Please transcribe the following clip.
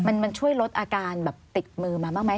มันช่วยลดอาการแบบติดมือมามากมั้ย